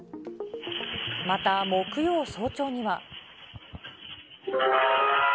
また木曜早朝には。